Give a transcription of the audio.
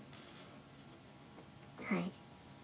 はい。